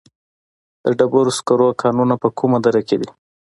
د ډبرو سکرو کانونه په کومه دره کې دي؟